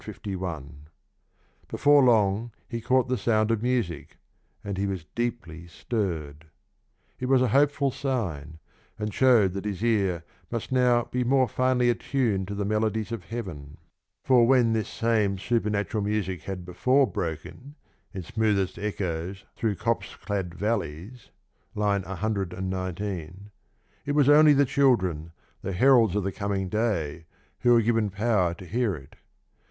35 1) Before long he caught the sound of music, and he was deeply stirred. It was a hopeful sign, and showed that his ear must now be more finely attuned to the melodies of heaven, for when this same supernatural music had before broken " in smoothest echoes through copse clad vallies " (I. 119) it was only the children, the heralds of the coming day, who were given power to hear it.